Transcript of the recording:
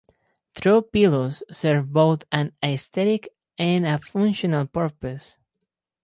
Throw pillows serve both an aesthetic and a functional purpose.